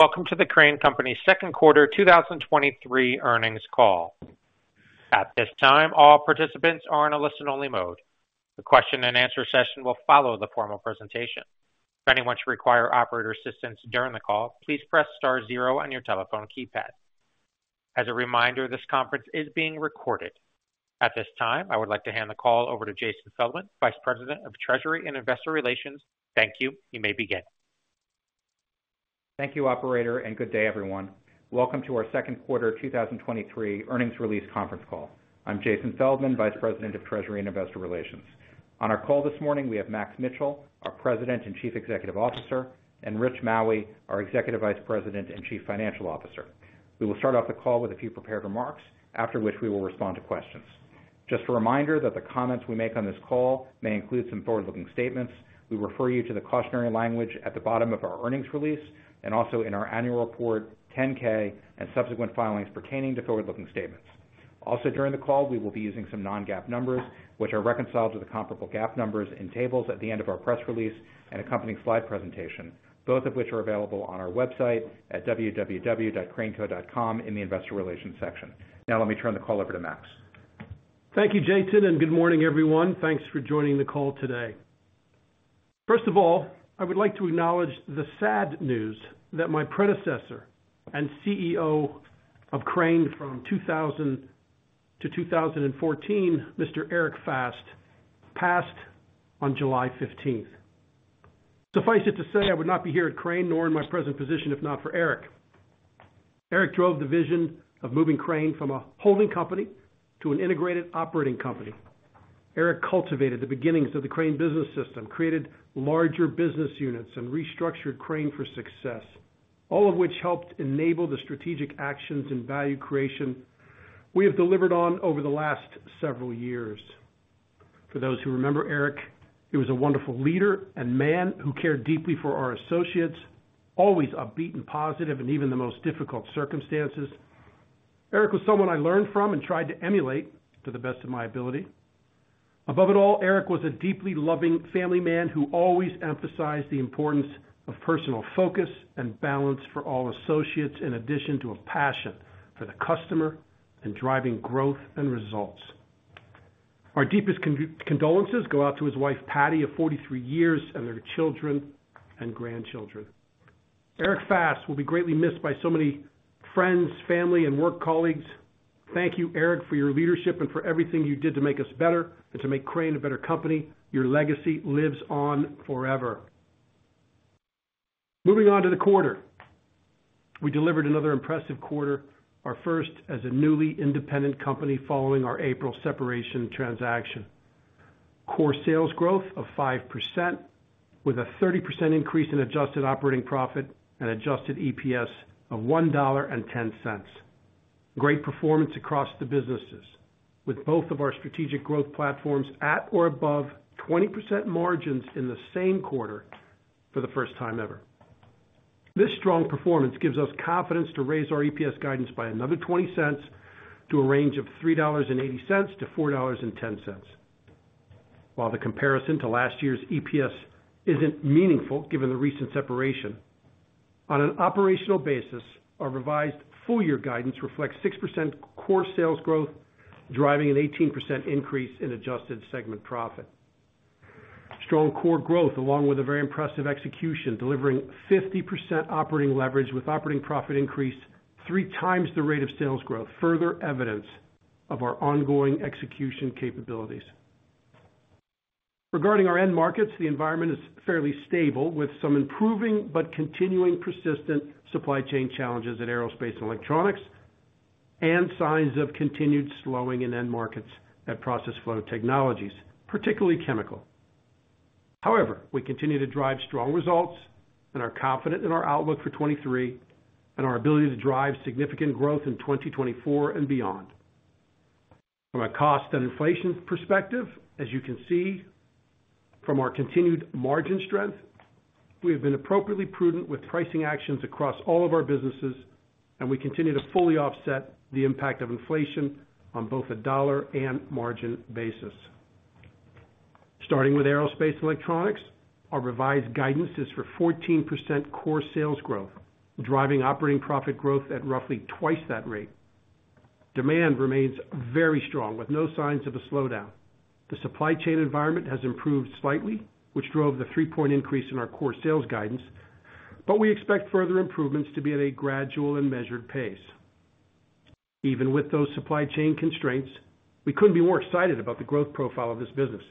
Welcome to the Crane Company Second Quarter 2023 earnings call. At this time, all participants are in a listen-only mode. The question and answer session will follow the formal presentation. If anyone should require operator assistance during the call, please press star zero on your telephone keypad. As a reminder, this conference is being recorded. At this time, I would like to hand the call over to Jason Feldman, Vice President of Treasury and Investor Relations. Thank you. You may begin. Thank you, operator, and good day, everyone. Welcome to our second quarter 2023 earnings release conference call. I'm Jason Feldman, Vice President of Treasury and Investor Relations. On our call this morning, we have Max Mitchell, our President and Chief Executive Officer, and Rich Maue, our Executive Vice President and Chief Financial Officer. We will start off the call with a few prepared remarks, after which we will respond to questions. Just a reminder that the comments we make on this call may include some forward-looking statements. We refer you to the cautionary language at the bottom of our earnings release and also in our annual report, 10-K, and subsequent filings pertaining to forward-looking statements. During the call, we will be using some non-GAAP numbers, which are reconciled to the comparable GAAP numbers in tables at the end of our press release and accompanying slide presentation, both of which are available on our website at www.craneco.com in the Investor Relations section. Let me turn the call over to Max. Thank you, Jason. Good morning, everyone. Thanks for joining the call today. First of all, I would like to acknowledge the sad news that my predecessor and CEO of Crane from 2000 to 2014, Mr. Eric Fast, passed on July 15th. Suffice it to say, I would not be here at Crane, nor in my present position, if not for Eric. Eric drove the vision of moving Crane from a holding company to an integrated operating company. Eric cultivated the beginnings of the Crane Business System, created larger business units, and restructured Crane for success, all of which helped enable the strategic actions and value creation we have delivered on over the last several years. For those who remember Eric, he was a wonderful leader and man who cared deeply for our associates, always upbeat and positive in even the most difficult circumstances. Eric was someone I learned from and tried to emulate to the best of my ability. Above it all, Eric was a deeply loving family man who always emphasized the importance of personal focus and balance for all associates, in addition to a passion for the customer and driving growth and results. Our deepest condolences go out to his wife, Patty, of 43 years, and their children and grandchildren. Eric Fast will be greatly missed by so many friends, family, and work colleagues. Thank you, Eric, for your leadership and for everything you did to make us better and to make Crane a better company. Your legacy lives on forever. Moving on to the quarter. We delivered another impressive quarter, our first as a newly independent company following our April separation transaction. Core sales growth of 5%, with a 30% increase in adjusted operating profit and adjusted EPS of $1.10. Great performance across the businesses, with both of our strategic growth platforms at or above 20% margins in the same quarter for the first time ever. This strong performance gives us confidence to raise our EPS guidance by another $0.20 to a range of $3.80-$4.10. While the comparison to last year's EPS isn't meaningful, given the recent separation, on an operational basis, our revised full year guidance reflects 6% core sales growth, driving an 18% increase in adjusted segment profit. Strong core growth, along with a very impressive execution, delivering 50% operating leverage, with operating profit increase 3 times the rate of sales growth, further evidence of our ongoing execution capabilities. Regarding our end markets, the environment is fairly stable, with some improving but continuing persistent supply chain challenges in Aerospace & Electronics, and signs of continued slowing in end markets at Process Flow Technologies, particularly chemical. We continue to drive strong results and are confident in our outlook for 2023 and our ability to drive significant growth in 2024 and beyond. From a cost and inflation perspective, as you can see from our continued margin strength, we have been appropriately prudent with pricing actions across all of our businesses, and we continue to fully offset the impact of inflation on both a dollar and margin basis. Starting with Aerospace & Electronics, our revised guidance is for 14% core sales growth, driving operating profit growth at roughly twice that rate. Demand remains very strong, with no signs of a slowdown. The supply chain environment has improved slightly, which drove the 3-point increase in our core sales guidance, but we expect further improvements to be at a gradual and measured pace. Even with those supply chain constraints, we couldn't be more excited about the growth profile of this business.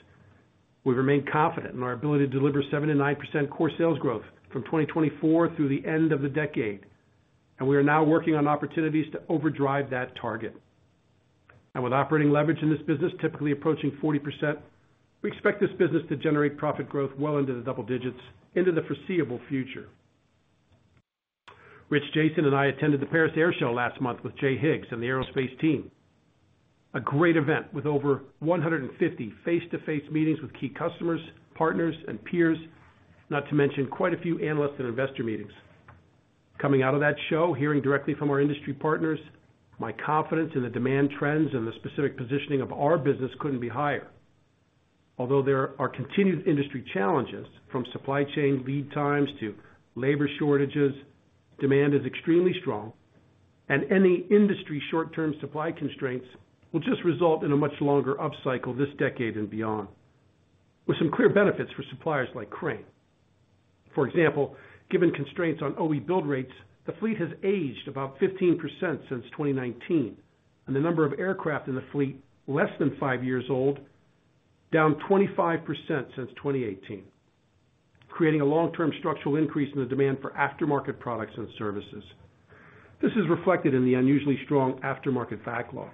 We remain confident in our ability to deliver 7%-9% core sales growth from 2024 through the end of the decade. We are now working on opportunities to overdrive that target. With operating leverage in this business typically approaching 40%, we expect this business to generate profit growth well into the double digits into the foreseeable future. Rich, Jason, and I attended the Paris Air Show last month with Jay Higgs and the aerospace team. A great event with over 150 face-to-face meetings with key customers, partners, and peers, not to mention quite a few analysts and investor meetings. Coming out of that show, hearing directly from our industry partners, my confidence in the demand trends and the specific positioning of our business couldn't be higher. Although there are continued industry challenges, from supply chain lead times to labor shortages, demand is extremely strong, and any industry short-term supply constraints will just result in a much longer upcycle this decade and beyond, with some clear benefits for suppliers like Crane. For example, given constraints on OE build rates, the fleet has aged about 15% since 2019, and the number of aircraft in the fleet, less than five years old, down 25% since 2018, creating a long-term structural increase in the demand for aftermarket products and services. This is reflected in the unusually strong aftermarket backlog.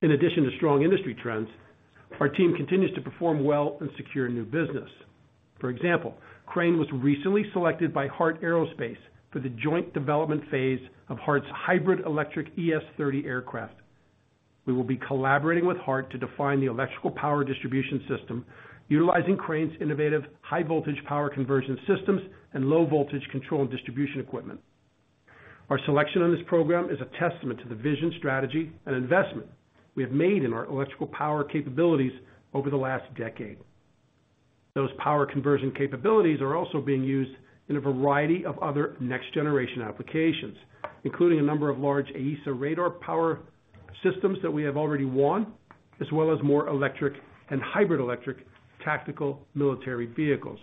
In addition to strong industry trends, our team continues to perform well and secure new business. For example, Crane was recently selected by Heart Aerospace for the joint development phase of Heart's hybrid electric ES-30 aircraft. We will be collaborating with Heart to define the electrical power distribution system, utilizing Crane's innovative high voltage power conversion systems and low voltage control and distribution equipment. Our selection on this program is a testament to the vision, strategy, and investment we have made in our electrical power capabilities over the last decade. Those power conversion capabilities are also being used in a variety of other next-generation applications, including a number of large AESA radar power systems that we have already won, as well as more electric and hybrid electric tactical military vehicles.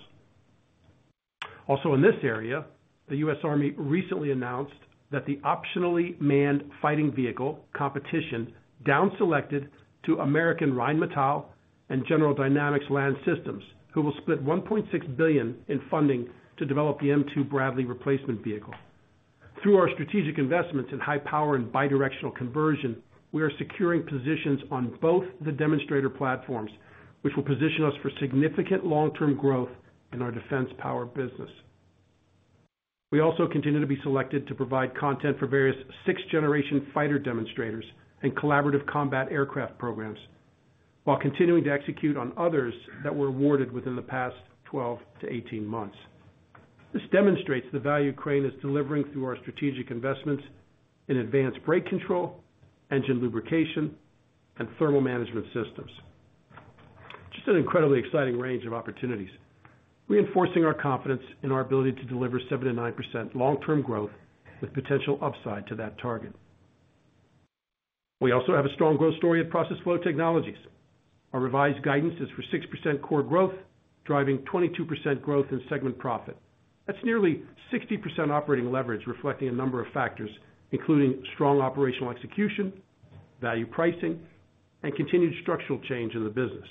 In this area, the US Army recently announced that the Optionally Manned Fighting Vehicle competition downselected to American Rheinmetall and General Dynamics Land Systems, who will split $1.6 billion in funding to develop the M2 Bradley replacement vehicle. Through our strategic investments in high power and bidirectional conversion, we are securing positions on both the demonstrator platforms, which will position us for significant long-term growth in our defense power business. We also continue to be selected to provide content for various 6th-generation fighter demonstrators and collaborative combat aircraft programs, while continuing to execute on others that were awarded within the past 12-18 months. This demonstrates the value Crane is delivering through our strategic investments in advanced brake control, engine lubrication, and thermal management systems. Just an incredibly exciting range of opportunities, reinforcing our confidence in our ability to deliver 7%-9% long-term growth with potential upside to that target. We also have a strong growth story at Process Flow Technologies. Our revised guidance is for 6% core growth, driving 22% growth in segment profit. That's nearly 60% operating leverage, reflecting a number of factors, including strong operational execution, value pricing, and continued structural change in the business.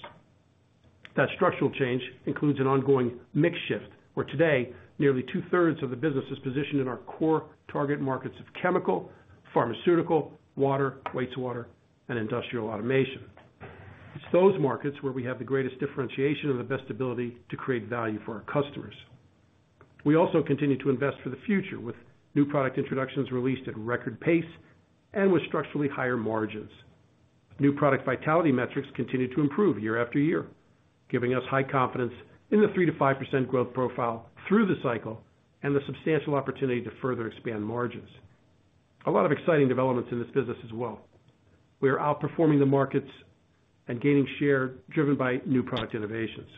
That structural change includes an ongoing mix shift, where today, nearly two-thirds of the business is positioned in our core target markets of chemical, pharmaceutical, water, wastewater, and industrial automation. It's those markets where we have the greatest differentiation and the best ability to create value for our customers. We also continue to invest for the future with new product introductions released at record pace and with structurally higher margins. New product vitality metrics continue to improve year after year, giving us high confidence in the 3%-5% growth profile through the cycle and the substantial opportunity to further expand margins. A lot of exciting developments in this business as well. We are outperforming the markets and gaining share driven by new product innovations.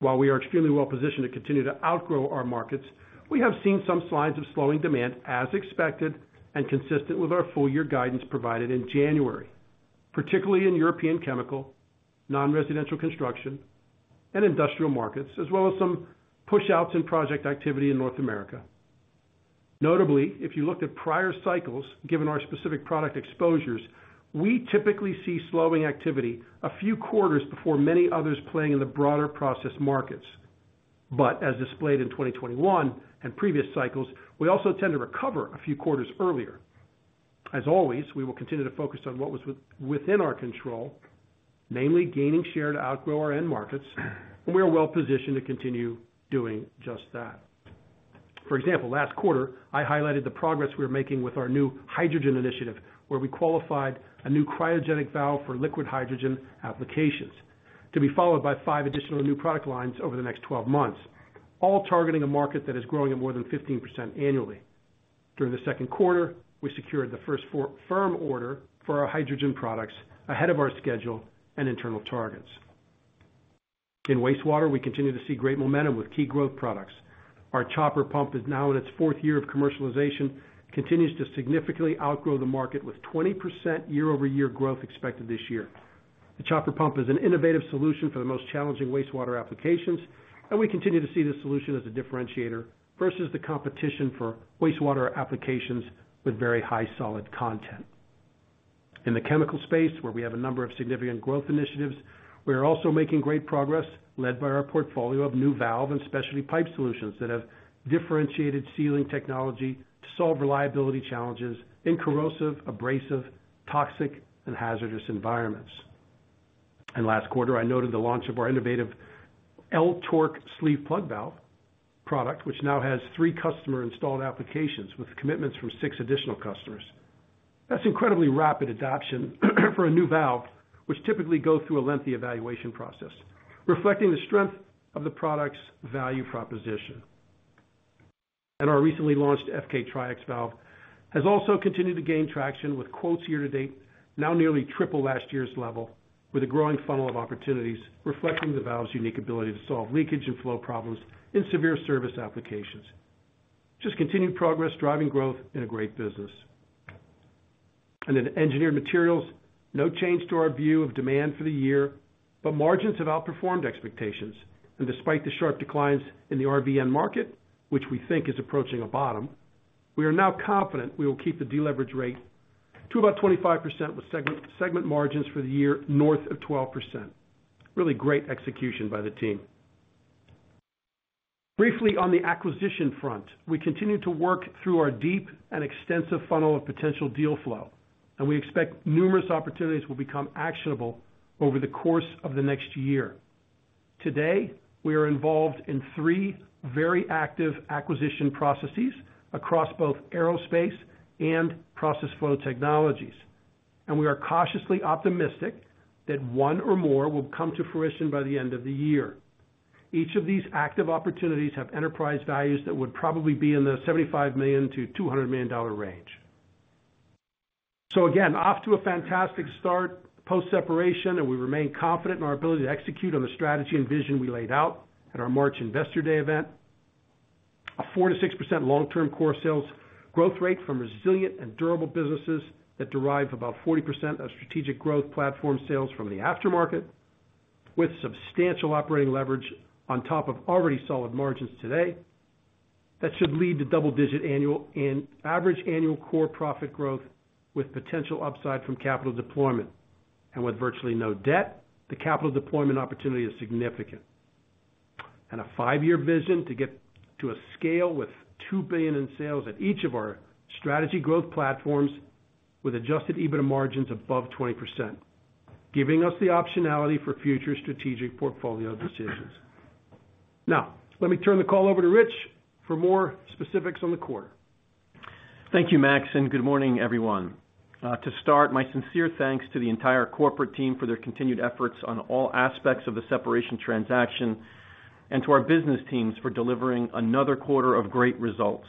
While we are extremely well positioned to continue to outgrow our markets, we have seen some signs of slowing demand as expected and consistent with our full year guidance provided in January, particularly in European chemical, non-residential construction, and industrial markets, as well as some pushouts in project activity in North America. Notably, if you looked at prior cycles, given our specific product exposures, we typically see slowing activity a few quarters before many others playing in the broader process markets. As displayed in 2021 and previous cycles, we also tend to recover a few quarters earlier. As always, we will continue to focus on what was within our control, namely gaining share to outgrow our end markets, and we are well positioned to continue doing just that. For example, last quarter, I highlighted the progress we are making with our new hydrogen initiative, where we qualified a new cryogenic valve for liquid hydrogen applications, to be followed by five additional new product lines over the next 12 months, all targeting a market that is growing at more than 15% annually. During the second quarter, we secured the first 4 firm order for our hydrogen products ahead of our schedule and internal targets. In wastewater, we continue to see great momentum with key growth products. Our chopper pump is now in its fourth year of commercialization, continues to significantly outgrow the market, with 20% year-over-year growth expected this year. The chopper pump is an innovative solution for the most challenging wastewater applications, we continue to see this solution as a differentiator versus the competition for wastewater applications with very high solid content. In the chemical space, where we have a number of significant growth initiatives, we are also making great progress, led by our portfolio of new valve and specialty pipe solutions that have differentiated sealing technology to solve reliability challenges in corrosive, abrasive, toxic, and hazardous environments. Last quarter, I noted the launch of our innovative EL-Torc sleeve plug valve product, which now has three customer-installed applications with commitments from six additional customers. That's incredibly rapid adoption for a new valve, which typically goes through a lengthy evaluation process, reflecting the strength of the product's value proposition. Our recently launched FK-TrieX valve has also continued to gain traction, with quotes year-to-date now nearly triple last year's level, with a growing funnel of opportunities reflecting the valve's unique ability to solve leakage and flow problems in severe service applications. Just continued progress, driving growth in a great business. In Engineered Materials, no change to our view of demand for the year, but margins have outperformed expectations. Despite the sharp declines in the RV market, which we think is approaching a bottom, we are now confident we will keep the deleverage rate to about 25%, with segment margins for the year north of 12%. Really great execution by the team. Briefly, on the acquisition front, we continue to work through our deep and extensive funnel of potential deal flow. We expect numerous opportunities will become actionable over the course of the next year. Today, we are involved in 3 very active acquisition processes across both aerospace and Process Flow Technologies. We are cautiously optimistic that one or more will come to fruition by the end of the year. Each of these active opportunities have enterprise values that would probably be in the $75 million-$200 million range. Again, off to a fantastic start post-separation. We remain confident in our ability to execute on the strategy and vision we laid out at our March Investor Day event. A 4%-6% long-term core sales growth rate from resilient and durable businesses that derive about 40% of strategic growth platform sales from the aftermarket, with substantial operating leverage on top of already solid margins today. That should lead to double-digit annual and average annual core profit growth, with potential upside from capital deployment. With virtually no debt, the capital deployment opportunity is significant. A five-year vision to get to a scale with $2 billion in sales at each of our strategy growth platforms, with adjusted EBITDA margins above 20%, giving us the optionality for future strategic portfolio decisions. Now, let me turn the call over to Rich for more specifics on the quarter. Thank you, Max. Good morning, everyone. To start, my sincere thanks to the entire corporate team for their continued efforts on all aspects of the separation transaction and to our business teams for delivering another quarter of great results.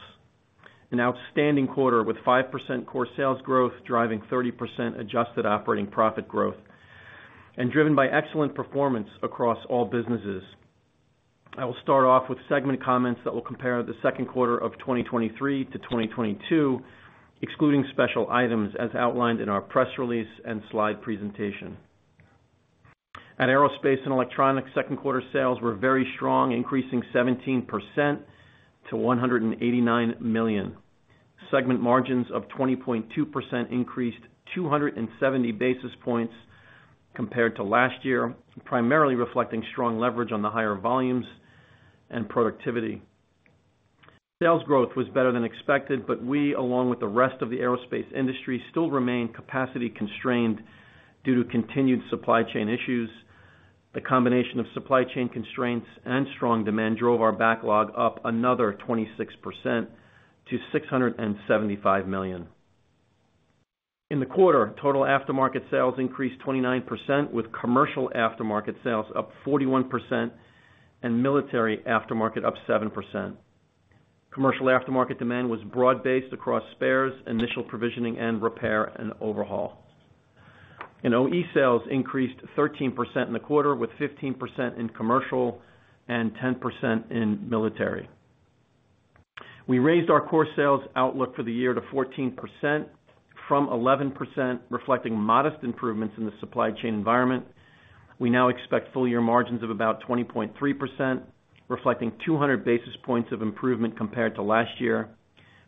An outstanding quarter with 5% core sales growth, driving 30% adjusted operating profit growth and driven by excellent performance across all businesses. I will start off with segment comments that will compare the second quarter of 2023 to 2022, excluding special items as outlined in our press release and slide presentation. At Aerospace & Electronics, second quarter sales were very strong, increasing 17% to $189 million. Segment margins of 20.2% increased 270 basis points compared to last year, primarily reflecting strong leverage on the higher volumes and productivity. Sales growth was better than expected, but we, along with the rest of the aerospace industry, still remain capacity constrained due to continued supply chain issues. The combination of supply chain constraints and strong demand drove our backlog up another 26% to $675 million. In the quarter, total aftermarket sales increased 29%, with commercial aftermarket sales up 41% and military aftermarket up 7%. Commercial aftermarket demand was broad-based across spares, initial provisioning, and repair and overhaul. OE sales increased 13% in the quarter, with 15% in commercial and 10% in military. We raised our core sales outlook for the year to 14% from 11%, reflecting modest improvements in the supply chain environment. We now expect full-year margins of about 20.3%, reflecting 200 basis points of improvement compared to last year.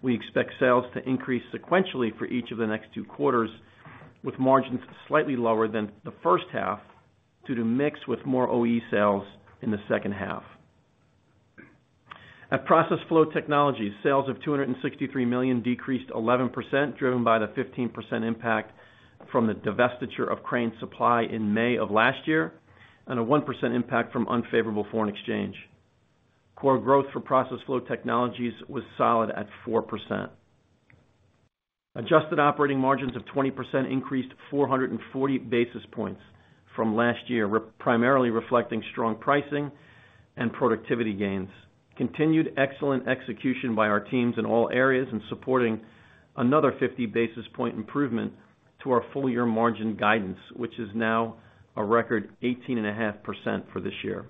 We expect sales to increase sequentially for each of the next two quarters, with margins slightly lower than the first half due to mix with more OE sales in the second half. At Process Flow Technologies, sales of $263 million decreased 11%, driven by the 15% impact from the divestiture of Crane Supply in May of last year, and a 1% impact from unfavorable foreign exchange. Core growth for Process Flow Technologies was solid at 4%. Adjusted operating margins of 20% increased 440 basis points from last year, primarily reflecting strong pricing and productivity gains. Continued excellent execution by our teams in all areas in supporting another 50 basis point improvement to our full-year margin guidance, which is now a record 18.5% for this year.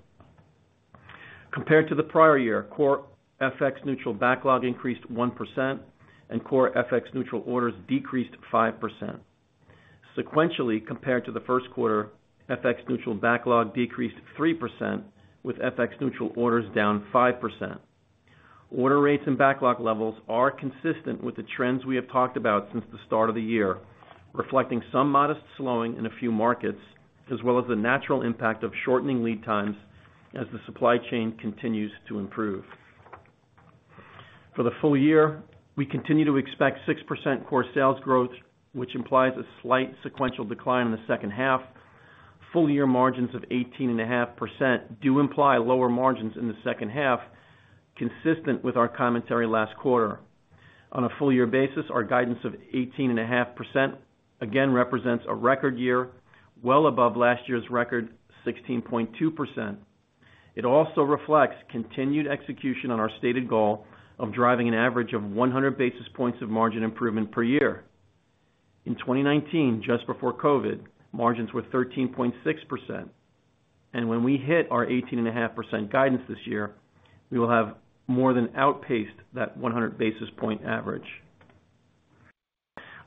Compared to the prior year, core FX neutral backlog increased 1%, and core FX neutral orders decreased 5%. Sequentially, compared to the first quarter, FX neutral backlog decreased 3%, with FX neutral orders down 5%. Order rates and backlog levels are consistent with the trends we have talked about since the start of the year, reflecting some modest slowing in a few markets, as well as the natural impact of shortening lead times as the supply chain continues to improve. For the full year, we continue to expect 6% core sales growth, which implies a slight sequential decline in the second half. Full-year margins of 18.5% do imply lower margins in the second half, consistent with our commentary last quarter. On a full year basis, our guidance of 18.5% again represents a record year, well above last year's record, 16.2%. It also reflects continued execution on our stated goal of driving an average of 100 basis points of margin improvement per year. In 2019, just before COVID, margins were 13.6%, and when we hit our 18.5% guidance this year, we will have more than outpaced that 100 basis point average.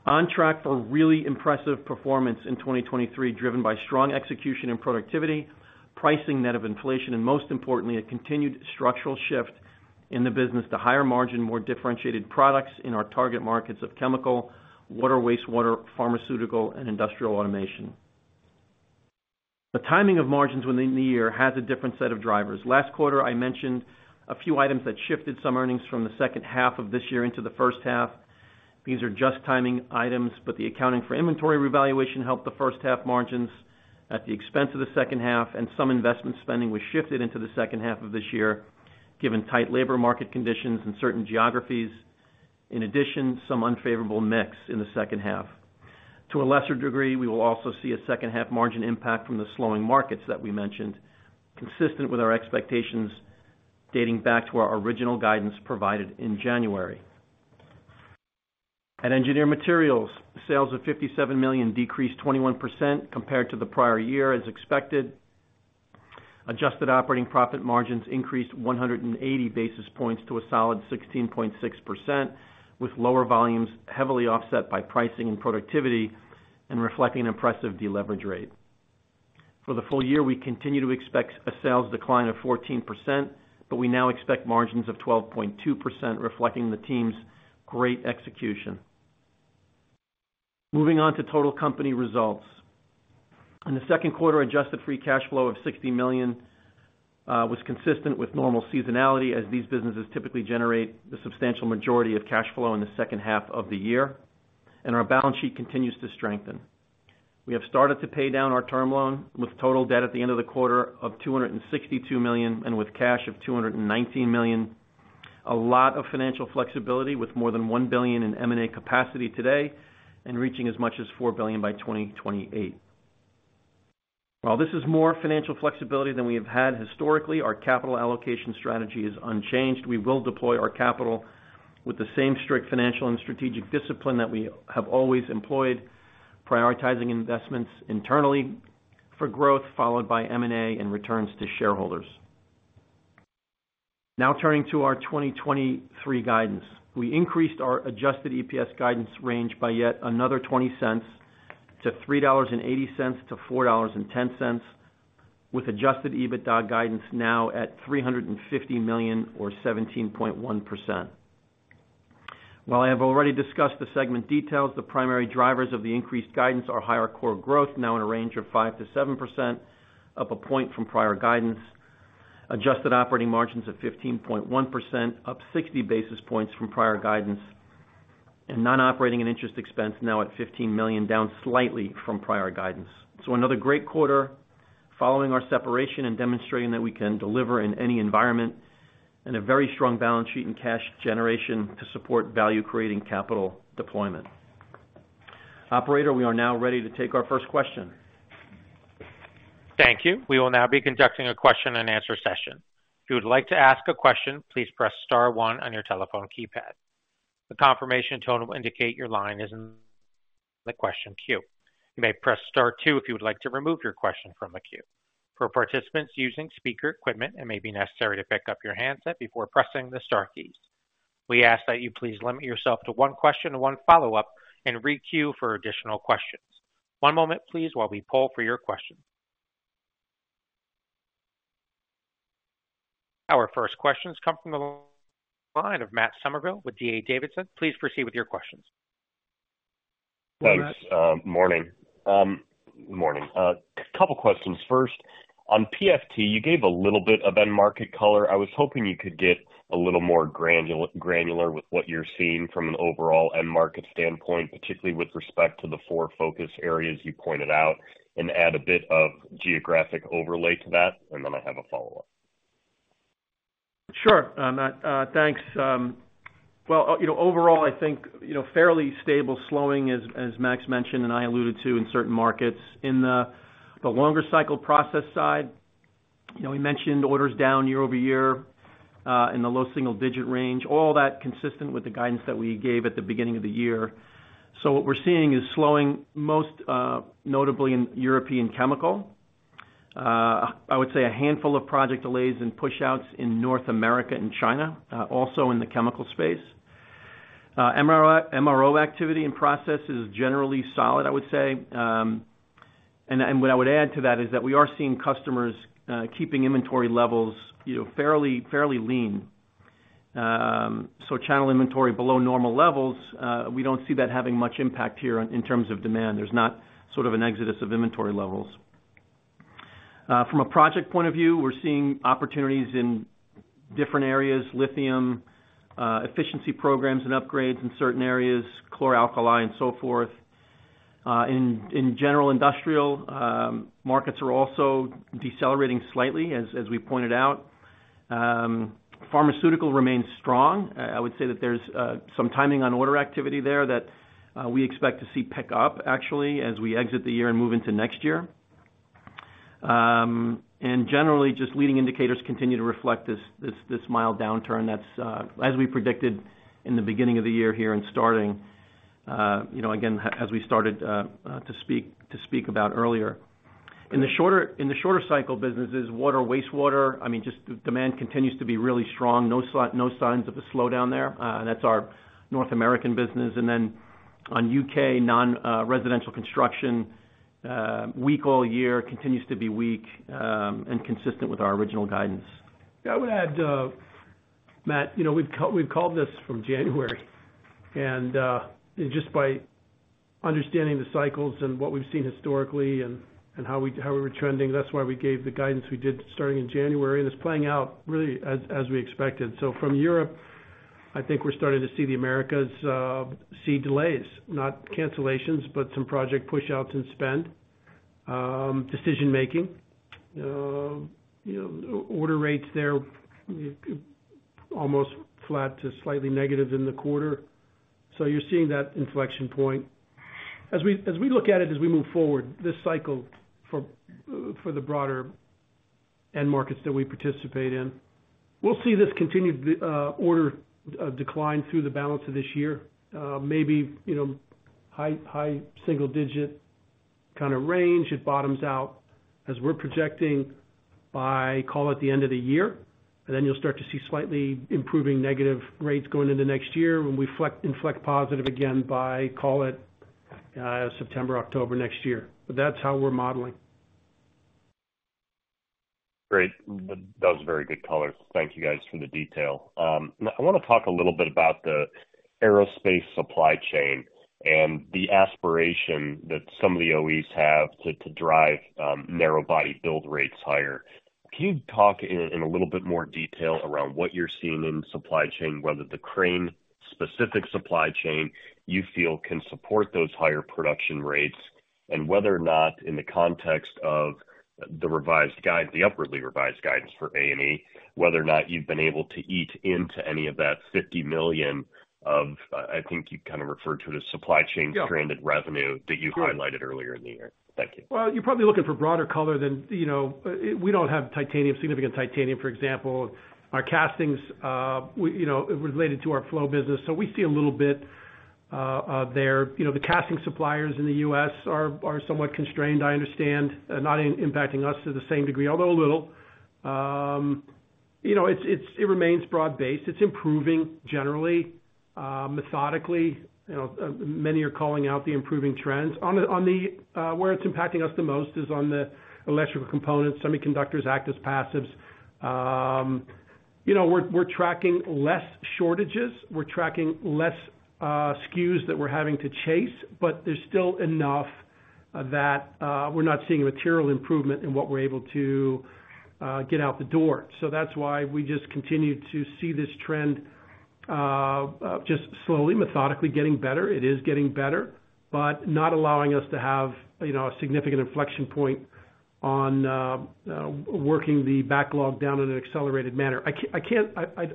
On track for really impressive performance in 2023, driven by strong execution and productivity, pricing net of inflation, and most importantly, a continued structural shift in the business to higher margin, more differentiated products in our target markets of chemical, water, wastewater, pharmaceutical, and industrial automation. The timing of margins within the year has a different set of drivers. Last quarter, I mentioned a few items that shifted some earnings from the second half of this year into the first half. These are just timing items, but the accounting for inventory revaluation helped the first half margins at the expense of the second half, and some investment spending was shifted into the second half of this year, given tight labor market conditions in certain geographies. Some unfavorable mix in the second half. To a lesser degree, we will also see a second half margin impact from the slowing markets that we mentioned, consistent with our expectations dating back to our original guidance provided in January. At Engineered Materials, sales of $57 million decreased 21% compared to the prior year as expected. Adjusted operating profit margins increased 180 basis points to a solid 16.6%, with lower volumes heavily offset by pricing and productivity, and reflecting an impressive deleverage rate. For the full year, we continue to expect a sales decline of 14%, but we now expect margins of 12.2%, reflecting the team's great execution. Moving on to total company results. In the second quarter, adjusted free cash flow of $60 million was consistent with normal seasonality, as these businesses typically generate the substantial majority of cash flow in the second half of the year. Our balance sheet continues to strengthen. We have started to pay down our term loan, with total debt at the end of the quarter of $262 million. With cash of $219 million. A lot of financial flexibility, with more than $1 billion in M&A capacity today. Reaching as much as $4 billion by 2028. While this is more financial flexibility than we have had historically, our capital allocation strategy is unchanged. We will deploy our capital with the same strict financial and strategic discipline that we have always employed, prioritizing investments internally for growth, followed by M&A and returns to shareholders. Now turning to our 2023 guidance. We increased our adjusted EPS guidance range by yet another $0.20 to $3.80-$4.10, with adjusted EBITDA guidance now at $350 million or 17.1%. While I have already discussed the segment details, the primary drivers of the increased guidance are higher core growth, now in a range of 5%-7%, up a point from prior guidance. Adjusted operating margins of 15.1%, up 60 basis points from prior guidance. Non-operating and interest expense now at $15 million, down slightly from prior guidance. Another great quarter following our separation and demonstrating that we can deliver in any environment, and a very strong balance sheet and cash generation to support value-creating capital deployment. Operator, we are now ready to take our first question. Thank you. We will now be conducting a question and answer session. If you would like to ask a question, please press star one on your telephone keypad. The confirmation tone will indicate your line is in the question queue. You may press Star two if you would like to remove your question from the queue. For participants using speaker equipment, it may be necessary to pick up your handset before pressing the star keys. We ask that you please limit yourself to 1 question and 1 follow-up and re-queue for additional questions. 1 moment, please, while we poll for your question. Our first question has come from the line of Matt Summerville with D.A. Davidson. Please proceed with your questions. Thanks. Morning. A couple questions. First, on PFT, you gave a little bit of end market color. I was hoping you could get a little more granular with what you're seeing from an overall end market standpoint, particularly with respect to the four focus areas you pointed out, and add a bit of geographic overlay to that, and then I have a follow-up. Sure, Matt, thanks. Well, you know, overall, I think, you know, fairly stable, slowing as Max mentioned, and I alluded to in certain markets. In the longer cycle process side, you know, we mentioned orders down year-over-year in the low single-digit range, all that consistent with the guidance that we gave at the beginning of the year. What we're seeing is slowing, most notably in European chemical. I would say a handful of project delays and pushouts in North America and China, also in the chemical space. MRO activity and process is generally solid, I would say. What I would add to that is that we are seeing customers keeping inventory levels, you know, fairly lean. Channel inventory below normal levels, we don't see that having much impact here in terms of demand. There's not sort of an exodus of inventory levels. From a project point of view, we're seeing opportunities in different areas, lithium, efficiency programs and upgrades in certain areas, chlor-alkali and so forth. In general, industrial markets are also decelerating slightly, as we pointed out. Pharmaceutical remains strong. I would say that there's some timing on order activity there that we expect to see pick up actually, as we exit the year and move into next year. Generally, just leading indicators continue to reflect this mild downturn that's as we predicted in the beginning of the year here, and starting, you know, again, as we started to speak about earlier. In the shorter cycle businesses, water, wastewater, I mean, just demand continues to be really strong. No signs of a slowdown there. That's our North American business. Then on U.K. non-residential construction, weak all year, continues to be weak, and consistent with our original guidance. Yeah, I would add, Matt, you know, we've called this from January. Just by understanding the cycles and what we've seen historically and how we, how we were trending, that's why we gave the guidance we did starting in January, and it's playing out really as we expected. From Europe, I think we're starting to see the Americas see delays, not cancellations, but some project pushouts in spend, decision making. You know, order rates there almost flat to slightly negative in the quarter. You're seeing that inflection point. As we look at it, as we move forward, this cycle for the broader end markets that we participate in, we'll see this continued order decline through the balance of this year. Maybe, you know, high single digit kind of range. It bottoms out, as we're projecting by, call it, the end of the year. Then you'll start to see slightly improving negative rates going into next year when we inflect positive again by, call it, September, October next year. That's how we're modeling. Great. That was very good colors. Thank you, guys, for the detail. I wanna talk a little bit about the aerospace supply chain and the aspiration that some of the OEs have to drive narrow body build rates higher. Can you talk in a little bit more detail around what you're seeing in the supply chain, whether the Crane-specific supply chain, you feel can support those higher production rates, and whether or not in the context of the upwardly revised guidance for A&E, whether or not you've been able to eat into any of that $50 million of, I think you kind of referred to it as supply chain. Yeah... stranded revenue that you highlighted earlier in the year? Thank you. Well, you're probably looking for broader color than... You know, we don't have titanium, significant titanium, for example. Our castings, we, you know, related to our flow business, we see a little bit there. You know, the casting suppliers in the U.S. are somewhat constrained, I understand, not impacting us to the same degree, although a little. You know, it remains broad-based. It's improving generally, methodically. You know, many are calling out the improving trends. On the, where it's impacting us the most is on the electrical components, semiconductors, actives, passives. You know, we're tracking less shortages, we're tracking less SKUs that we're having to chase, there's still enough that we're not seeing a material improvement in what we're able to get out the door. That's why we just continue to see this trend, just slowly, methodically getting better. It is getting better, but not allowing us to have, you know, a significant inflection point on working the backlog down in an accelerated manner. I can't.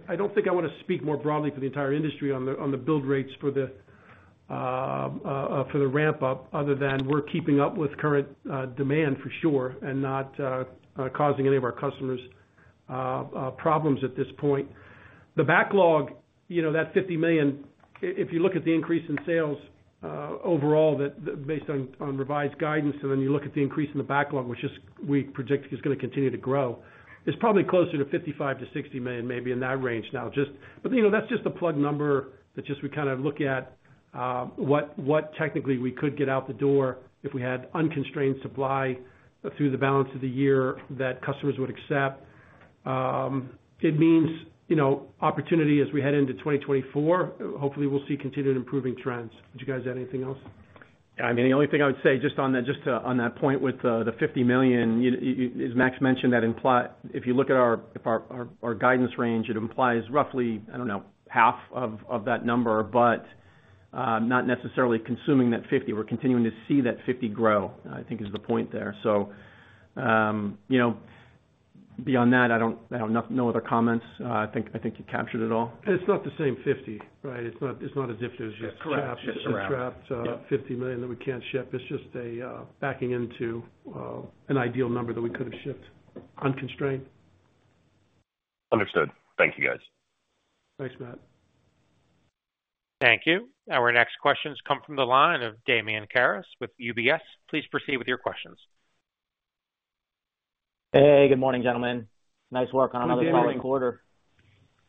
I don't think I wanna speak more broadly for the entire industry on the build rates for the ramp up, other than we're keeping up with current demand for sure, and not causing any of our customers problems at this point. The backlog, you know, that $50 million, if you look at the increase in sales, overall, that, based on revised guidance, and then you look at the increase in the backlog, which is we predict is gonna continue to grow, it's probably closer to $55 million-$60 million, maybe in that range now. You know, that's just a plug number that just we kind of look at, what technically we could get out the door if we had unconstrained supply through the balance of the year, that customers would accept. It means, you know, opportunity as we head into 2024. Hopefully, we'll see continued improving trends. Did you guys add anything else? I mean, the only thing I would say, just on that, just to, on that point with the $50 million, you, as Max mentioned, if you look at our guidance range, it implies roughly, I don't know, half of that number, but not necessarily consuming that $50 million. We're continuing to see that $50 million grow, I think is the point there. You know, beyond that, I don't, I have no other comments. I think you captured it all. It's not the same 50, right? It's not, it's not as if there's just- Correct. Trapped, $50 million that we can't ship. It's just a backing into an ideal number that we could have shipped unconstrained. Understood. Thank you, guys. Thanks, Matt. Thank you. Our next questions come from the line of Damian Karas with UBS. Please proceed with your questions. Hey, good morning, gentlemen. Nice work on another- Good morning.... solid quarter.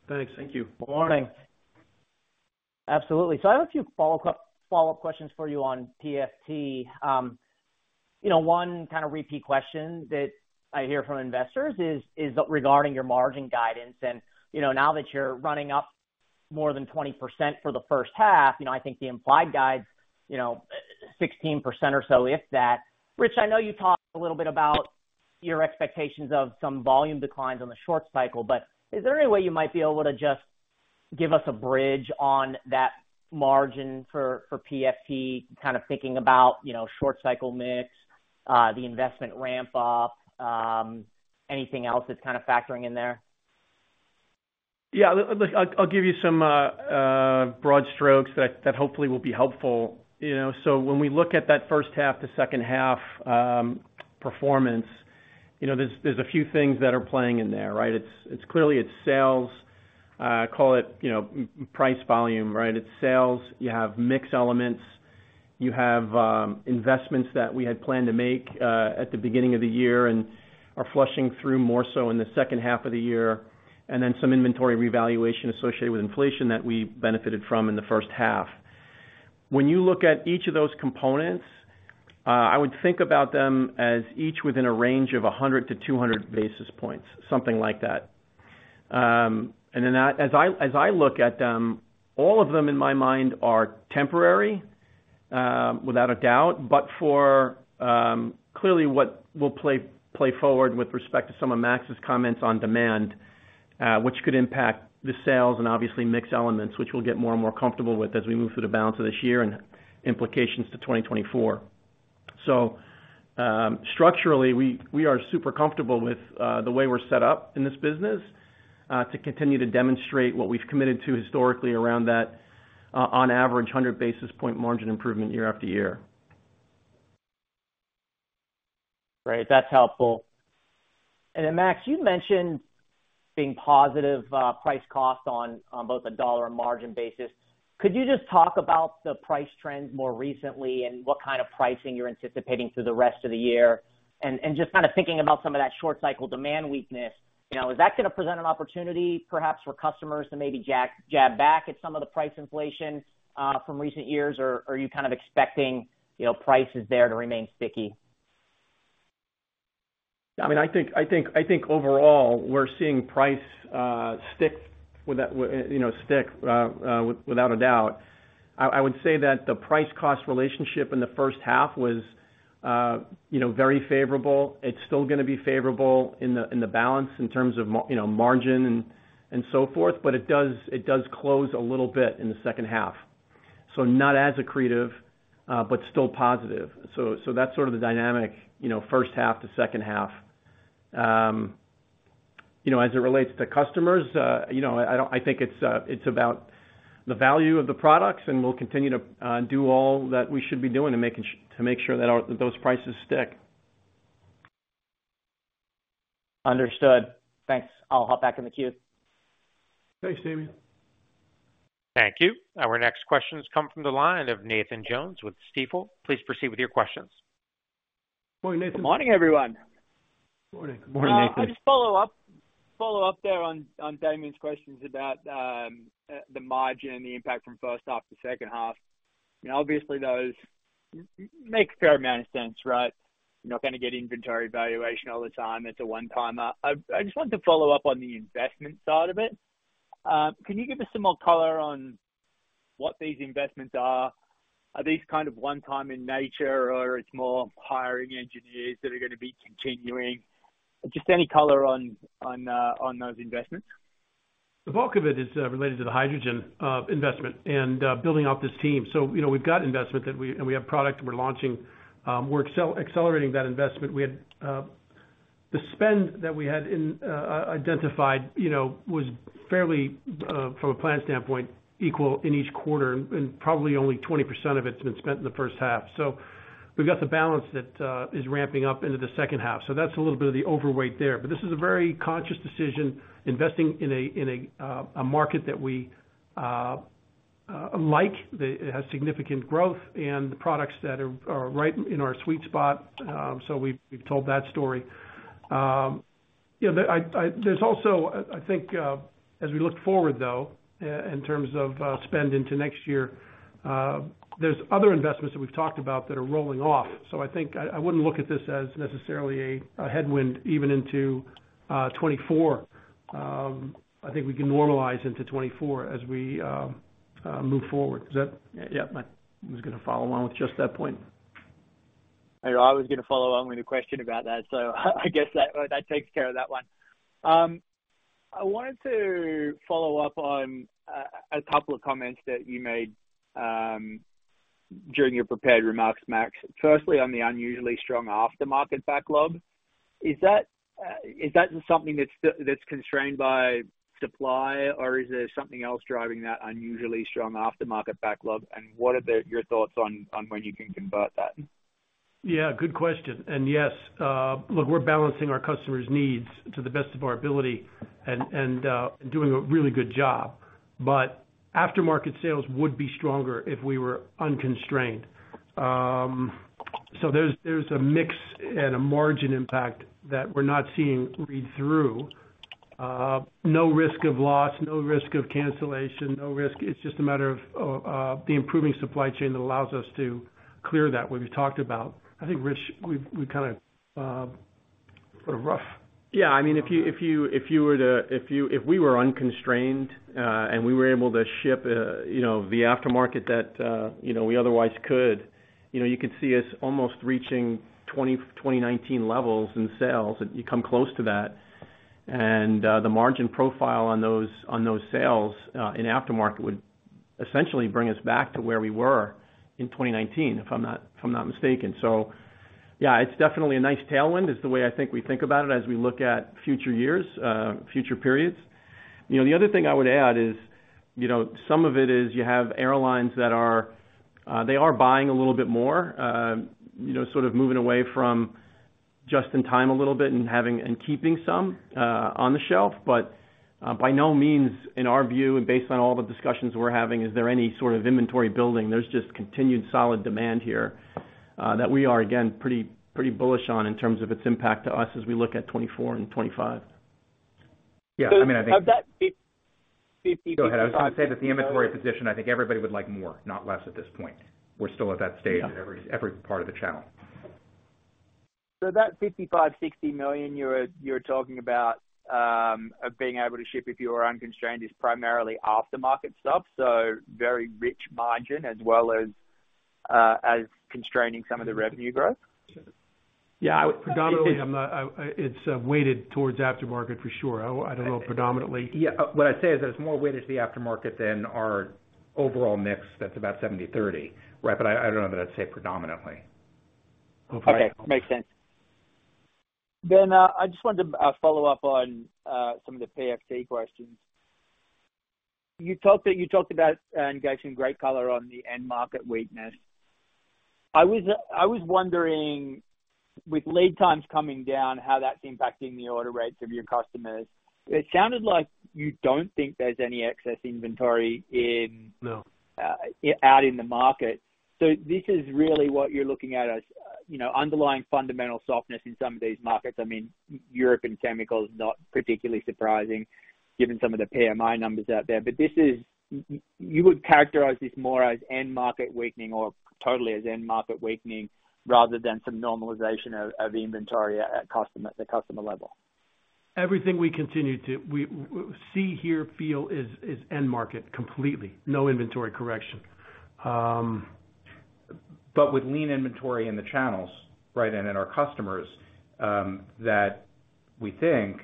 Thanks. Thank you. Good morning. Absolutely. I have a few follow-up questions for you on PFT. You know, one kind of repeat question that I hear from investors is regarding your margin guidance. You know, now that you're running up more than 20% for the first half, you know, I think the implied guide, you know, 16% or so, if that. Rich, I know you talked a little bit about your expectations of some volume declines on the short cycle, but is there any way you might be able to give us a bridge on that margin for PFT, kind of thinking about, you know, short cycle mix, the investment ramp up, anything else that's kind of factoring in there? Yeah. Look, I'll give you some broad strokes that hopefully will be helpful. You know, when we look at that first half to second half performance, you know, there's a few things that are playing in there, right? It's clearly sales, call it, you know, price volume, right? It's sales, you have mix elements, you have investments that we had planned to make at the beginning of the year and are flushing through more so in the second half of the year. Then some inventory revaluation associated with inflation that we benefited from in the first half. When you look at each of those components, I would think about them as each within a range of 100 to 200 basis points, something like that. As I look at them, all of them in my mind are temporary, without a doubt, but for, clearly what will play forward with respect to some of Max's comments on demand, which could impact the sales and obviously mix elements, which we'll get more and more comfortable with as we move through the balance of this year and implications to 2024. Structurally, we are super comfortable with, the way we're set up in this business, to continue to demonstrate what we've committed to historically around that, on average, 100 basis point margin improvement year after year. Great, that's helpful. Then, Max, you mentioned being positive, price cost on both a dollar and margin basis. Could you just talk about the price trends more recently and what kind of pricing you're anticipating through the rest of the year? Just kind of thinking about some of that short cycle demand weakness, you know, is that gonna present an opportunity, perhaps for customers to maybe jab back at some of the price inflation, from recent years? Or are you kind of expecting, you know, prices there to remain sticky? I mean, I think overall, we're seeing price stick with that, you know, stick without a doubt. I would say that the price cost relationship in the first half was, you know, very favorable. It's still gonna be favorable in the balance in terms of you know, margin and so forth, but it does close a little bit in the second half. Not as accretive, but still positive. That's sort of the dynamic, you know, first half to second half. You know, as it relates to customers, you know, I think it's about the value of the products, and we'll continue to do all that we should be doing to make sure that those prices stick. Understood. Thanks. I'll hop back in the queue. Thanks, Damian. Thank you. Our next question has come from the line of Nathan Jones with Stifel. Please proceed with your questions. Good morning, Nathan. Good morning, everyone. Good morning. Good morning, Nathan. I'll just follow up there on Damian's questions about the margin and the impact from first half to second half. You know, obviously, those makes a fair amount of sense, right? You're not gonna get inventory valuation all the time. It's a one-timer. I just wanted to follow up on the investment side of it. Can you give us some more color on what these investments are? Are these kind of one-time in nature, or it's more hiring engineers that are gonna be continuing? Just any color on those investments. The bulk of it is related to the hydrogen investment and building out this team. You know, we've got investment that we... and we have product, and we're launching. We're accelerating that investment. We had the spend that we had identified, you know, was fairly from a plan standpoint, equal in each quarter, and probably only 20% of it's been spent in the first half. We've got the balance that is ramping up into the second half. That's a little bit of the overweight there. This is a very conscious decision, investing in a market that we like, that it has significant growth and the products that are right in our sweet spot. We've told that story. Yeah, I think, as we look forward, though, in terms of spend into next year, there's other investments that we've talked about that are rolling off. I wouldn't look at this as necessarily a headwind, even into 2024. I think we can normalize into 2024 as we move forward. Yeah, I was gonna follow along with just that point. I was gonna follow along with a question about that, so I guess that takes care of that one. I wanted to follow up on a couple of comments that you made during your prepared remarks, Max. Firstly, on the unusually strong aftermarket backlog, is that something that's constrained by supply, or is there something else driving that unusually strong aftermarket backlog? What are your thoughts on when you can convert that? Yeah, good question. Yes, look, we're balancing our customer's needs to the best of our ability and doing a really good job. Aftermarket sales would be stronger if we were unconstrained. There's a mix and a margin impact that we're not seeing read through. No risk of loss, no risk of cancellation. It's just a matter of the improving supply chain that allows us to clear that, what we talked about. I think, Rich, we've kind of sort of rough. Yeah, I mean, if you were to, if we were unconstrained, we were able to ship, you know, the aftermarket that, you know, we otherwise could, you know, you could see us almost reaching 2019 levels in sales, you come close to that. The margin profile on those, on those sales, in aftermarket essentially bring us back to where we were in 2019, if I'm not mistaken. Yeah, it's definitely a nice tailwind, is the way I think we think about it as we look at future years, future periods. You know, the other thing I would add is, you know, some of it is you have airlines that are, they are buying a little bit more, you know, sort of moving away from just in time a little bit and having, and keeping some, on the shelf. By no means, in our view, and based on all the discussions we're having, is there any sort of inventory building. There's just continued solid demand here, that we are, again, pretty bullish on in terms of its impact to us as we look at 2024 and 2025. Yeah, I mean. Of that. Go ahead. I was gonna say that the inventory position, I think everybody would like more, not less at this point. We're still at that stage in every part of the channel. That $55 million-$60 million you're talking about, of being able to ship if you were unconstrained, is primarily aftermarket stuff, so very rich margin, as well as constraining some of the revenue growth? Predominantly, it's weighted towards aftermarket for sure. I don't know if. Yeah. What I'd say is that it's more weighted to the aftermarket than our overall mix. That's about 70/30, right? I don't know that I'd say predominantly. Okay. Makes sense. I just wanted to follow up on some of the PFT questions. You talked about and in great color on the end market weakness. I was wondering, with lead times coming down, how that's impacting the order rates of your customers. It sounded like you don't think there's any excess inventory in- No. out in the market. This is really what you're looking at as, you know, underlying fundamental softness in some of these markets. I mean, Europe and chemicals, not particularly surprising, given some of the PMI numbers out there. This is... you would characterize this more as end market weakening or totally as end market weakening, rather than some normalization of the inventory at customer, at the customer level? Everything we continue to we see here feel is end market completely. No inventory correction. With lean inventory in the channels, right, and in our customers, that we think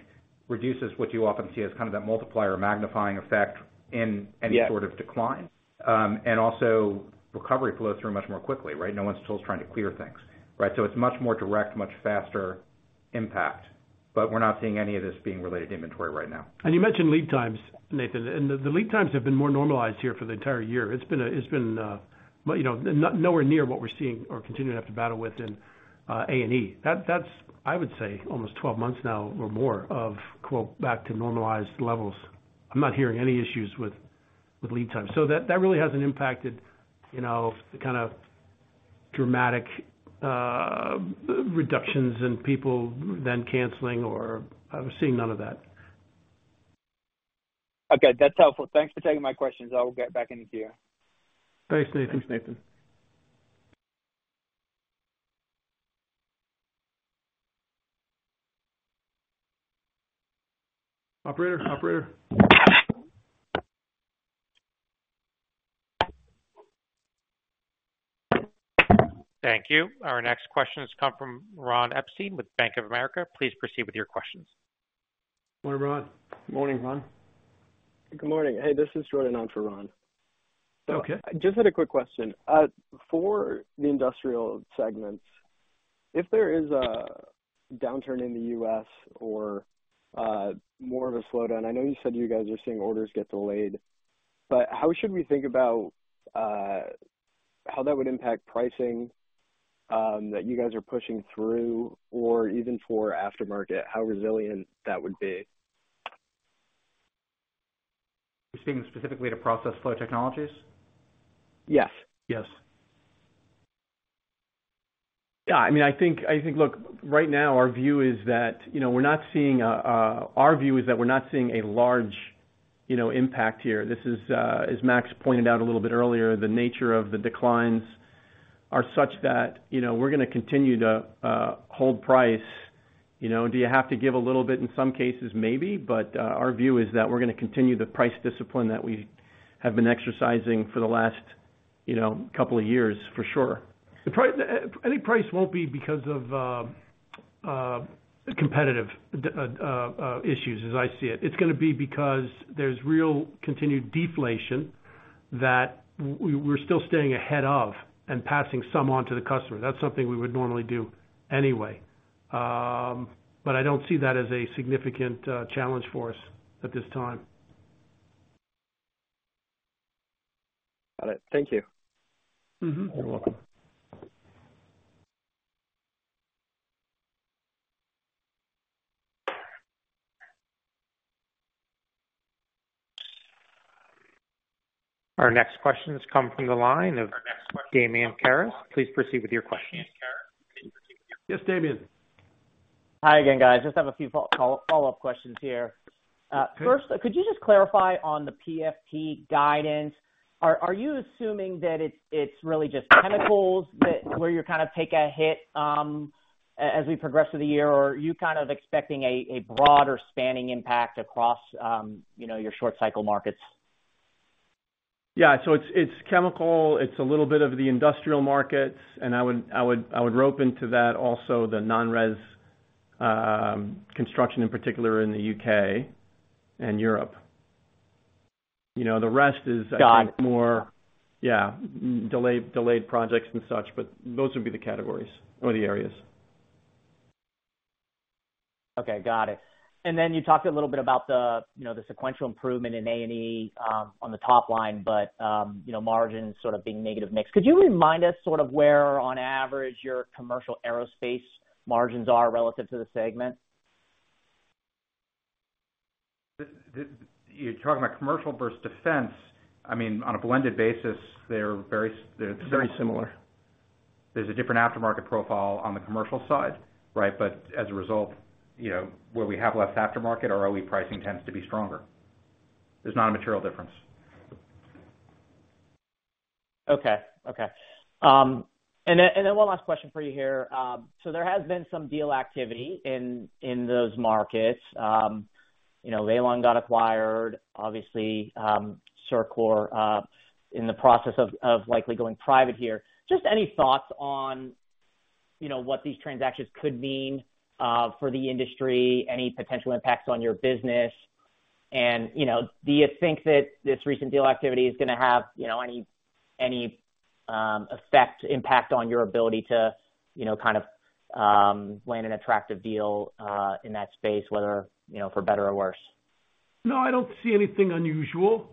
reduces what you often see as kind of that multiplier or magnifying effect. Yeah sort of decline. Also recovery flows through much more quickly, right? No one's tools trying to clear things, right? It's much more direct, much faster impact, we're not seeing any of this being related to inventory right now. You mentioned lead times, Nathan, the lead times have been more normalized here for the entire year. It's been, you know, nowhere near what we're seeing or continuing to have to battle with in A&E. That's, I would say, almost 12 months now or more of quote, "back to normalized levels." I'm not hearing any issues with lead time, so that really hasn't impacted, you know, the kind of dramatic reductions in people then canceling or... I'm seeing none of that. Okay, that's helpful. Thanks for taking my questions. I will get back into queue. Thanks, Nathan. Thanks, Nathan. Operator, operator? Thank you. Our next question has come from Ron Epstein with Bank of America. Please proceed with your questions. Morning, Ron. Morning, Ron. Good morning. Hey, this is Jordan on for Ron. Okay. Just had a quick question. For the industrial segments, if there is a downturn in the U.S. or more of a slowdown, I know you said you guys are seeing orders get delayed. How should we think about how that would impact pricing that you guys are pushing through or even for aftermarket, how resilient that would be? You're speaking specifically to Process Flow Technologies? Yes. Yes. Yeah, I mean, I think, look, right now our view is that, you know, we're not seeing our view is that we're not seeing a large, you know, impact here. This is as Max pointed out a little bit earlier, the nature of the declines are such that, you know, we're gonna continue to hold price, you know. Do you have to give a little bit in some cases? Maybe, our view is that we're gonna continue the price discipline that we have been exercising for the last, you know, couple of years, for sure. I think price won't be because of competitive issues as I see it. It's gonna be because there's real continued deflation that we're still staying ahead of and passing some on to the customer. That's something we would normally do anyway. I don't see that as a significant challenge for us at this time. Got it. Thank you. Mm-hmm. You're welcome. Our next question has come from the line of Damian Karas. Please proceed with your question. Yes, Damian. Hi again, guys. Just have a few follow-up questions here. First, could you just clarify on the PFT guidance, are you assuming that it's really just chemicals that, where you kind of take a hit, as we progress through the year? Or are you kind of expecting a broader spanning impact across, you know, your short cycle markets? Yeah, it's chemical, it's a little bit of the industrial markets, I would rope into that also the non-res-... construction in particular in the U.K. and Europe. You know, the rest. Got it. Yeah, delayed projects and such, those would be the categories or the areas. Okay, got it. Then you talked a little bit about the, you know, the sequential improvement in A&E on the top line, you know, margins sort of being negative mix. Could you remind us sort of where, on average, your commercial aerospace margins are relative to the segment? You're talking about commercial versus defense. I mean, on a blended basis, they're very. Very similar. There's a different aftermarket profile on the commercial side, right? As a result, you know, where we have less aftermarket, our OE pricing tends to be stronger. There's not a material difference. Okay, okay. One last question for you here. There has been some deal activity in those markets. You know, Velan got acquired, obviously, CIRCOR in the process of likely going private here. Just any thoughts on, you know, what these transactions could mean for the industry? Any potential impacts on your business? You know, do you think that this recent deal activity is gonna have, you know, any effect, impact on your ability to, you know, kind of land an attractive deal in that space, whether, you know, for better or worse? No, I don't see anything unusual,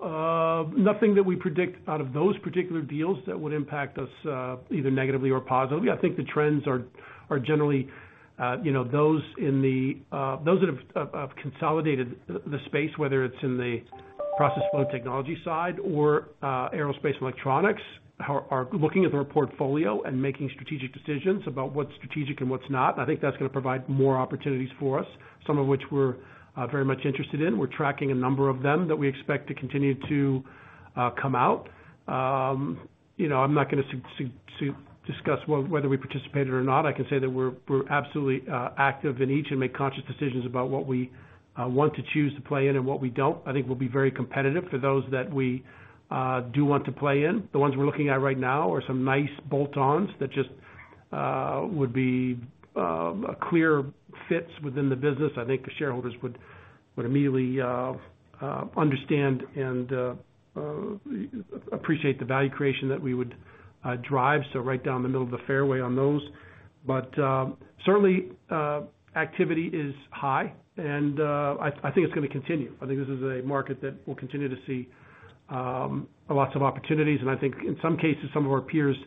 nothing that we predict out of those particular deals that would impact us, either negatively or positively. I think the trends are generally, you know, those in the, those that have consolidated the space, whether it's in the Process Flow Technologies side or, Aerospace & Electronics, are looking at their portfolio and making strategic decisions about what's strategic and what's not. I think that's gonna provide more opportunities for us, some of which we're very much interested in. We're tracking a number of them that we expect to continue to come out. You know, I'm not gonna discuss whether we participated or not. I can say that we're absolutely active in each and make conscious decisions about what we want to choose to play in and what we don't. I think we'll be very competitive for those that we do want to play in. The ones we're looking at right now are some nice bolt-ons that just would be a clear fits within the business. I think the shareholders would immediately understand and appreciate the value creation that we would drive, so right down the middle of the fairway on those. Certainly activity is high, and I think it's gonna continue. I think this is a market that will continue to see lots of opportunities. I think in some cases, some of our peers,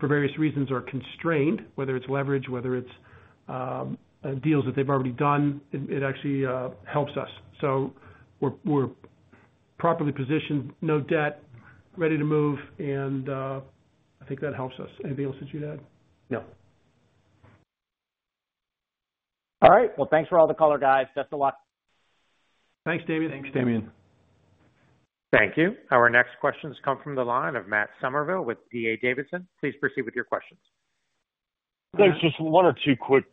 for various reasons, are constrained, whether it's leverage, whether it's deals that they've already done, it actually helps us. We're properly positioned, no debt, ready to move, and I think that helps us. Anything else that you'd add? No. All right. Well, thanks for all the color, guys. Best of luck. Thanks, Damian. Thanks, Damian. Thank you. Our next questions come from the line of Matt Summerville with D.A. Davidson. Please proceed with your questions. Thanks. Just one or two quick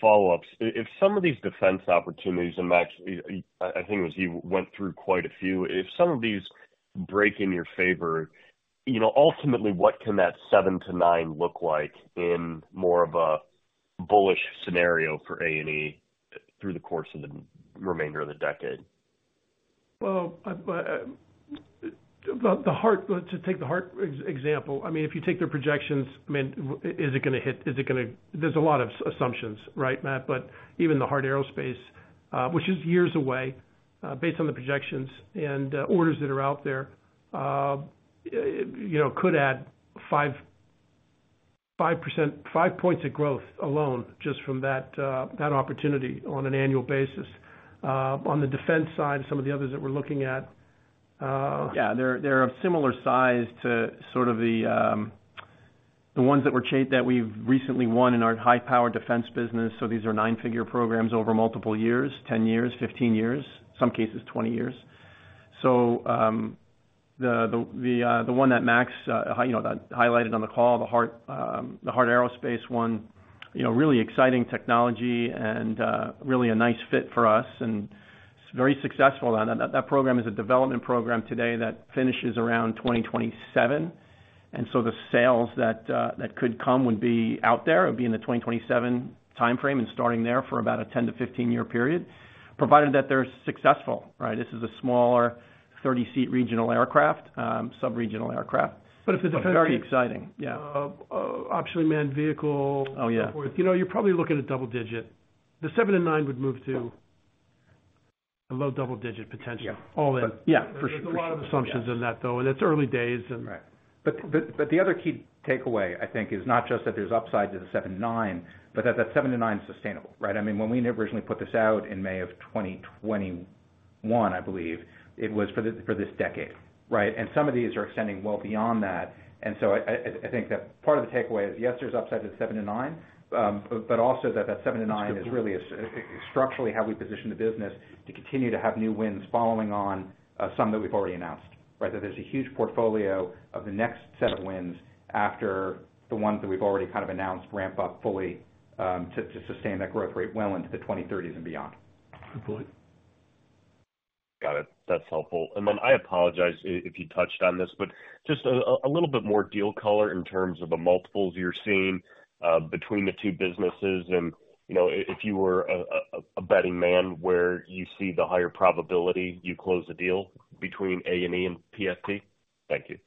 follow-ups. If some of these defense opportunities, and Max, I think it was you, went through quite a few, if some of these break in your favor, you know, ultimately, what can that 7-9 look like in more of a bullish scenario for A&E through the course of the remainder of the decade? Well, to take the Heart example, I mean, if you take their projections, I mean, is it gonna hit? There's a lot of assumptions, right, Matt? Even the Heart Aerospace, which is years away, based on the projections and orders that are out there, you know, could add 5 points of growth alone just from that opportunity on an annual basis. On the defense side, some of the others that we're looking at. Yeah, they're of similar size to sort of the ones that we've recently won in our high-power defense business. These are 9-figure programs over multiple years, 10 years, 15 years, some cases, 20 years. The one that Max, you know, highlighted on the call, the Heart, the Heart Aerospace one, you know, really exciting technology and really a nice fit for us, and very successful. That program is a development program today that finishes around 2027, the sales that could come would be out there. It would be in the 2027 timeframe and starting there for about a 10-15 year period, provided that they're successful, right? This is a smaller 30-seat regional aircraft, sub-regional aircraft. if the. Very exciting, yeah. Optionally Manned vehicle. Oh, yeah. So forth. You know, you're probably looking at double-digit. The seven and nine would move to a low double-digit potential. Yeah. All in. Yeah, for sure. There's a lot of assumptions in that, though, and it's early days... Right. The other key takeaway, I think, is not just that there's upside to the 7, 9, but that that 7-9 is sustainable, right? I mean, when we originally put this out in May of 2021, I believe, it was for this decade, right? Some of these are extending well beyond that. I think that part of the takeaway is, yes, there's upside to 7-9, but also that 7-9 is really structurally how we position the business to continue to have new wins following on some that we've already announced, right? That there's a huge portfolio of the next set of wins after the ones that we've already kind of announced ramp up fully to sustain that growth rate well into the 2030s and beyond. Absolutely. Got it. That's helpful. Then I apologize if you touched on this, but just a little bit more deal color in terms of the multiples you're seeing, between the two businesses and, you know, if you were a betting man, where you see the higher probability you close the deal between A&E and PFT? Thank you.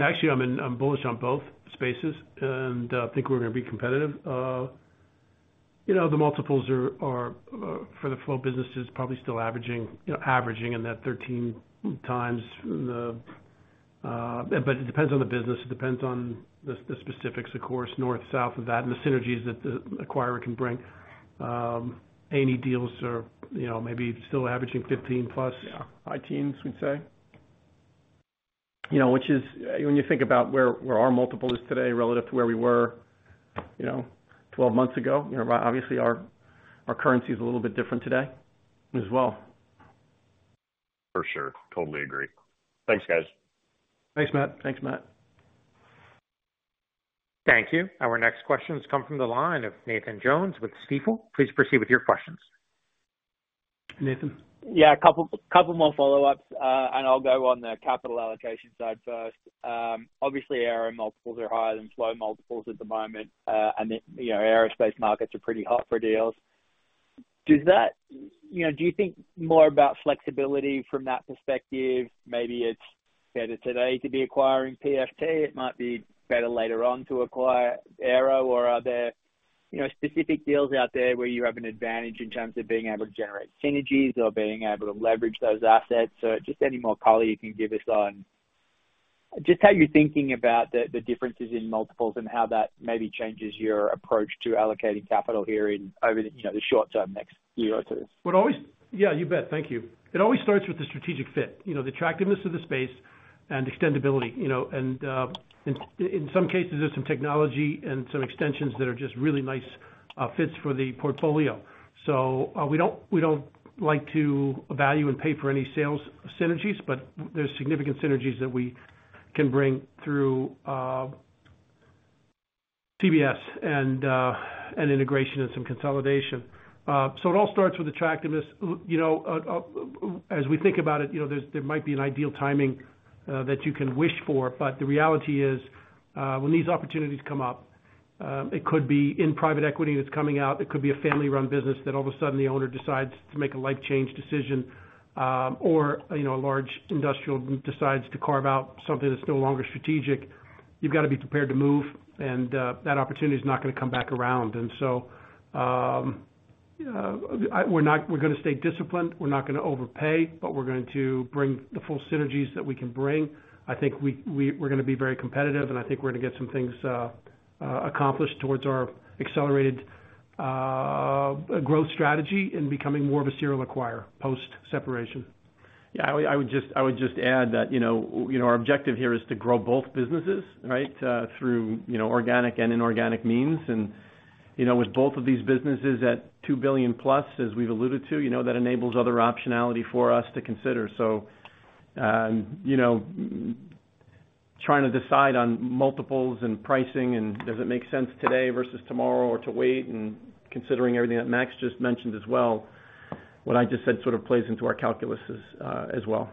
Actually, I'm bullish on both spaces, and I think we're gonna be competitive. You know, the multiples are for the flow businesses, probably still averaging, you know, averaging in that 13x. But it depends on the business, it depends on the specifics, of course, north, south of that, and the synergies that the acquirer can bring. A&E deals are, you know, maybe still averaging 15+. Yeah, high teens, we'd say. You know, which is, when you think about where our multiple is today relative to where we were, you know, 12 months ago, you know, obviously our currency is a little bit different today as well. For sure. Totally agree. Thanks, guys. Thanks, Matt. Thanks, Matt. Thank you. Our next question has come from the line of Nathan Jones with Stifel. Please proceed with your questions. Nathan? Yeah, a couple more follow-ups. I'll go on the capital allocation side first. Obviously, aero multiples are higher than flow multiples at the moment, and the, you know, aerospace markets are pretty hot for deals. You know, do you think more about flexibility from that perspective? Maybe it's better today to be acquiring PFT, it might be better later on to acquire aero, or are there, you know, specific deals out there where you have an advantage in terms of being able to generate synergies or being able to leverage those assets? Just any more color you can give us on just how you're thinking about the differences in multiples and how that maybe changes your approach to allocating capital here in over the, you know, the short term, next year or 2. Yeah, you bet. Thank you. It always starts with the strategic fit, you know, the attractiveness of the space and extendability, you know, in some cases, there's some technology and some extensions that are just really nice fits for the portfolio. We don't like to value and pay for any sales synergies, but there's significant synergies that we can bring through CBS and integration and some consolidation. It all starts with attractiveness. You know, as we think about it, you know, there's, there might be an ideal timing that you can wish for, but the reality is, when these opportunities come up, it could be in private equity that's coming out, it could be a family-run business that all of a sudden the owner decides to make a life change decision, or, you know, a large industrial group decides to carve out something that's no longer strategic. You've got to be prepared to move, and that opportunity is not gonna come back around. We're gonna stay disciplined, we're not gonna overpay, but we're going to bring the full synergies that we can bring. I think we're gonna be very competitive, and I think we're gonna get some things accomplished towards our accelerated growth strategy in becoming more of a serial acquirer, post-separation. Yeah, I would just add that, you know, our objective here is to grow both businesses, right? through, you know, organic and inorganic means. With both of these businesses at $2 billion plus, as we've alluded to, you know, that enables other optionality for us to consider. Trying to decide on multiples and pricing and does it make sense today versus tomorrow, or to wait, and considering everything that Max just mentioned as well, what I just said sort of plays into our calculuses as well.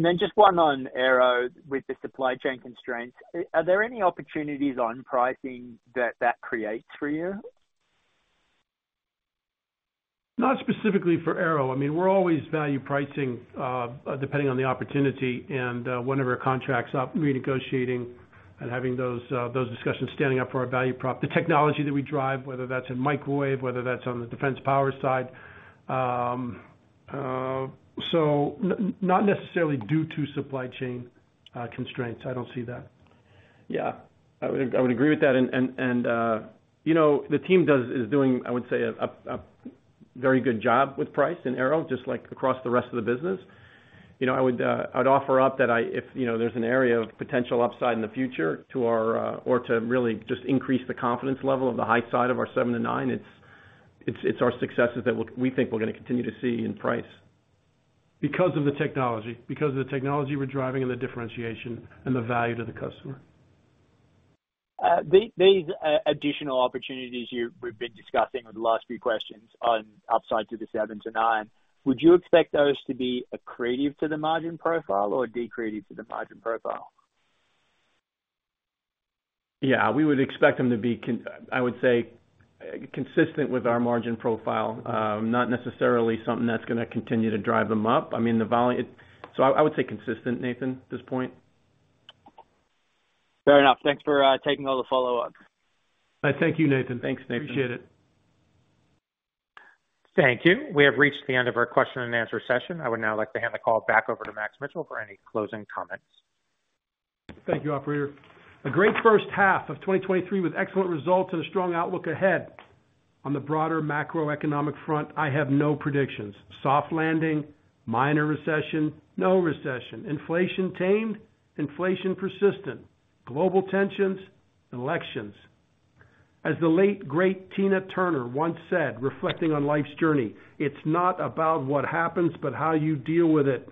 Just one on aero, with the supply chain constraints. Are there any opportunities on pricing that creates for you? Not specifically for aero. I mean, we're always value pricing, depending on the opportunity and, when are our contracts up, renegotiating and having those discussions, standing up for our value prop. The technology that we drive, whether that's in microwave, whether that's on the defense power side. Not necessarily due to supply chain constraints. I don't see that. Yeah, I would agree with that. You know, the team is doing, I would say, a very good job with price and aero, just like across the rest of the business. You know, I'd offer up that if, you know, there's an area of potential upside in the future to our, or to really just increase the confidence level of the high side of our 7 to 9, it's our successes that we think we're gonna continue to see in price. Because of the technology we're driving and the differentiation and the value to the customer. These additional opportunities we've been discussing over the last few questions on upside to the 7%-9%, would you expect those to be accretive to the margin profile? Yeah, we would expect them to be I would say, consistent with our margin profile, not necessarily something that's gonna continue to drive them up. I mean, I would say consistent, Nathan, at this point. Fair enough. Thanks for taking all the follow-ups. Thank you, Nathan. Thanks, Nathan. Appreciate it. Thank you. We have reached the end of our question and answer session. I would now like to hand the call back over to Max Mitchell for any closing comments. Thank you, operator. A great first half of 2023 with excellent results and a strong outlook ahead. On the broader macroeconomic front, I have no predictions. Soft landing, minor recession, no recession, inflation tamed, inflation persistent, global tensions, elections. As the late great Tina Turner once said, reflecting on life's journey: "It's not about what happens, but how you deal with it."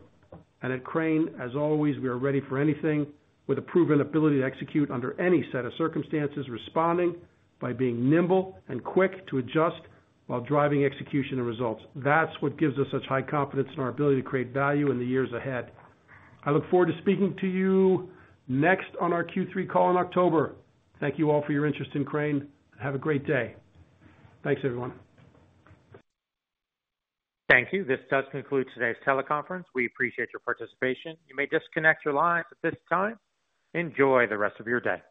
At Crane, as always, we are ready for anything with a proven ability to execute under any set of circumstances, responding by being nimble and quick to adjust while driving execution and results. That's what gives us such high confidence in our ability to create value in the years ahead. I look forward to speaking to you next on our Q3 call in October. Thank you all for your interest in Crane, and have a great day. Thanks, everyone. Thank you. This does conclude today's teleconference. We appreciate your participation. You may disconnect your lines at this time. Enjoy the rest of your day.